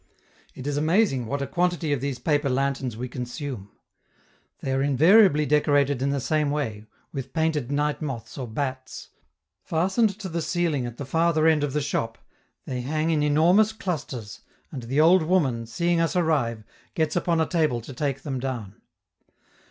It is amazing what a quantity of these paper lanterns we consume. They are invariably decorated in the same way, with painted nightmoths or bats; fastened to the ceiling at the farther end of the shop, they hang in enormous clusters, and the old woman, seeing us arrive, gets upon a table to take them down.